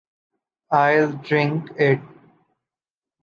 I’ll drink it.